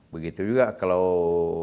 begitu juga kalau